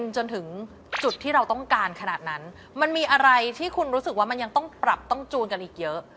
จนถึงจุดที่เราต้องการขนาดนั้นมันมีอะไรที่คุณรู้สึกว่ามันยังต้องปรับต้องจูนกันอีกเยอะ